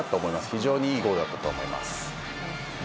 非常にいいゴールだったと思います。